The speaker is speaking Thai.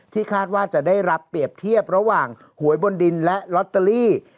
คาดว่าจะได้รับเปรียบเทียบระหว่างหวยบนดินและลอตเตอรี่